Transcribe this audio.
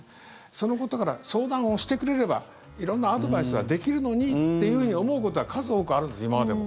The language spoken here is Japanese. そのことから相談をしてくれれば色んなアドバイスはできるのにっていうふうに思うことは数多くあるんです、今までも。